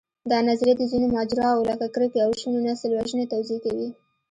دا نظریه د ځینو ماجراوو، لکه کرکې او شونې نسلوژنې توضیح کوي.